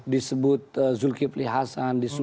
disebut zulkifli hasan